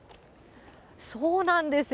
そうなんですよ。